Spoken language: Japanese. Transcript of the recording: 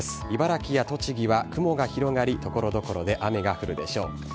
茨城や栃木は雲が広がり、ところどころで雨が降るでしょう。